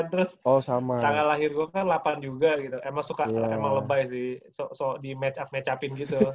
terus tanggal lahir gue kan lapan juga gitu emang lebay sih soal di match up match up in gitu